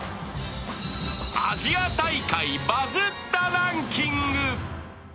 アジア大会バズったランキング。